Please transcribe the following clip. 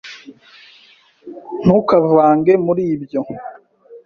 Ntukavange muri ibyo.